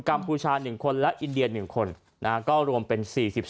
พูชา๑คนและอินเดีย๑คนก็รวมเป็น๔๒